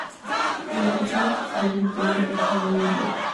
Durante los siglos posteriores el convento fue reformado y ampliado.